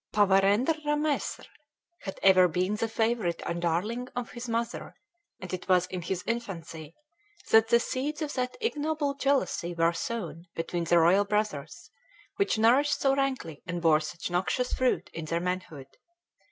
Pawarendr Ramesr had ever been the favorite and darling of his mother, and it was in his infancy that the seeds of that ignoble jealousy were sown between the royal brothers, which nourished so rankly and bore such noxious fruit in their manhood.